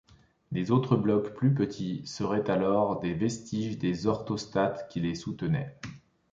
Les autres blocs plus petits seraient alors des vestiges des orthostates qui les soutenaient.